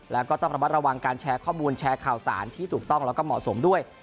แล้วก็ต้องระมัดระวังการแชร์ข้อมูลแชร์ข่าวสารที่ถูกต้องแล้วก็เหมาะสมด้วย